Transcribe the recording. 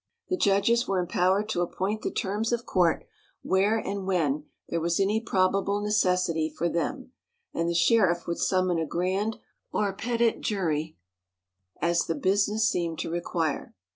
The judges were empowered to appoint the terms of court where and when there was any probable necessity for them, and the sheriff would summon a grand or petit jury as the business seemed to require.